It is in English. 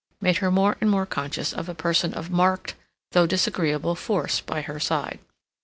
—made her more and more conscious of a person of marked, though disagreeable, force by her side.